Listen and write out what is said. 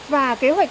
và kế hoạch